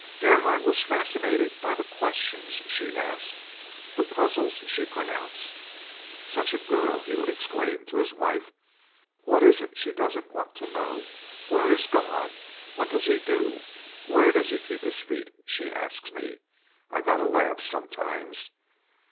Gerhardt was fascinated by the questions she asked, the puzzles she pronounced. "Such a girl!" he would exclaim to his wife. "What is it she doesn't want to know? 'Where is God? What does He do? Where does He keep His feet?" she asks me. "I gotta laugh sometimes."